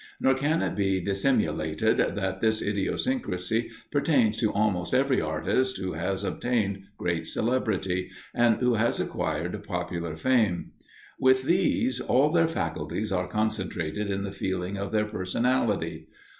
Nor can it be dissimulated that this idiosyncracy pertains to almost every artist who has obtained great celebrity, and who has acquired popular fame. With these, all their faculties are concentrated in the feeling of their personality.